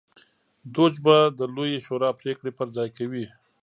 دوج به د لویې شورا پرېکړې پر ځای کوي.